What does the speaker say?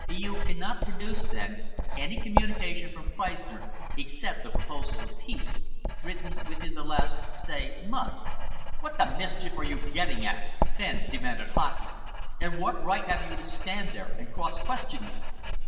"You cannot produce, then, any communication from Freistner, except the proposals of peace, written within the last say month?" "What the mischief are you getting at?" Fenn demanded hotly. "And what right have you to stand there and cross question me?"